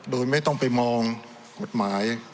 โดยไม่ต้องไปมองกฎหมาย